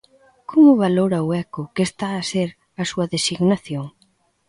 Como valora o eco que está a ser a súa designación?